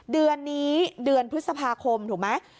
เดือนนี้เดือนพฤษภาคมถูกไหม